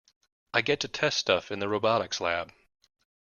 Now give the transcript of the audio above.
I get to test stuff in the robotics lab.